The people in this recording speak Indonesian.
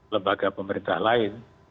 lembaga pemerintah lain